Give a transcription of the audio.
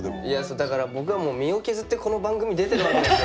だから僕はもう身を削ってこの番組出てるわけですよ。